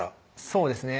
そうですね